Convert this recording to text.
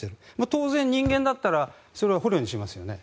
当然、人間だったらそれを捕虜にしますよね。